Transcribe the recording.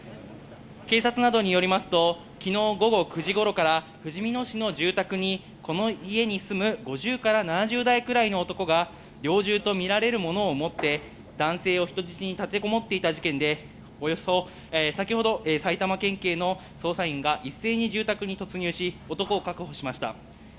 警察などによりますと、昨日午後９時頃から、ふじみ野市の住宅にこの家に住む５０から７０代くらいの男が猟銃とみられるものを持って男性を人質に立てこもっていた事件で、先ほど埼玉県警の捜査員が一斉に住宅に突入し、男を確保しました。